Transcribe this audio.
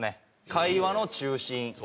会話の中心。